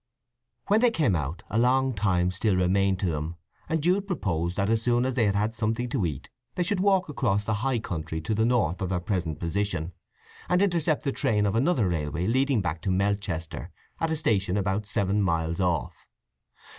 When they came out a long time still remained to them and Jude proposed that as soon as they had had something to eat they should walk across the high country to the north of their present position, and intercept the train of another railway leading back to Melchester, at a station about seven miles off.